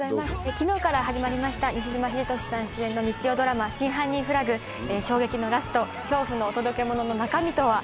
昨日から始まりました西島秀俊さん主演の日曜ドラマ『真犯人フラグ』衝撃のラスト恐怖のお届け物の中身とは？